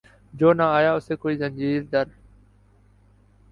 جو نہ آیا اسے کوئی زنجیر در